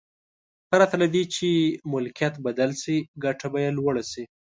پرته له دې چې ملکیت بدل شي ګټه به یې لوړه شي.